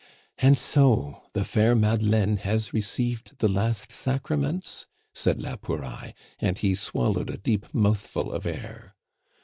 "And so the fair Madeleine has received the last sacraments?" said la Pouraille, and he swallowed a deep mouthful of air.